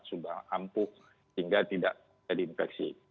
sudah ampuh hingga tidak jadi infeksi